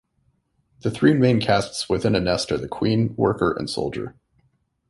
The three main castes within a nest are the queen, worker and soldier.